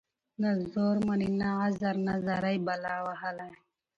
نه زور مــني نه عـذر نـه زارۍ بلا وهـلې.